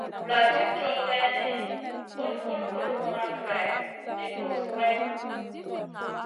Vuladid cow geyn, bun vul kuluf ma greyn mi gros goroyna.